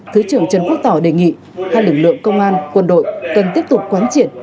thứ trưởng trần quốc tỏ đề nghị hai lực lượng công an quân đội cần tiếp tục quán triển